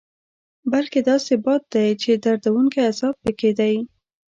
بلکې داسې باد دی چې دردوونکی عذاب پکې دی.